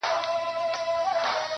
یا د وږو نس ته ځي لار یې دېګدان سي -